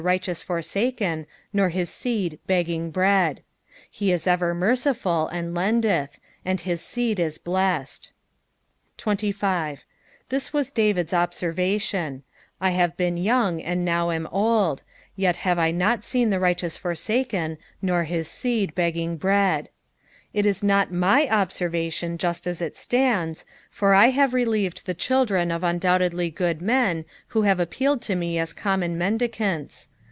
righteous forsaken, nor his seed begging bread. ' 26 ffe ts ever merciful, and lendeth ; and his seed is blessed. SS. Tbia was David's observation, "/ Aom been young, and note am old ; yet Ante I not teen tbe righteou* fortaken, nor hit teed begging bread.'^ It is not my observation just as it stands, for I have relieved the children of undoubtedly good men, who have appealed to me as common mendicants.